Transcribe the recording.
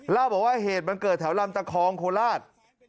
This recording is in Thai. เล่าบอกว่าเหตุมันเกิดแถวลำตะคองโคราช